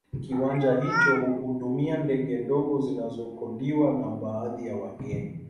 Kiwanja hicho huhudumia ndege ndogo zinazokodiwa na baadhi ya wageni